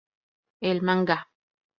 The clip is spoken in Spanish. El manga.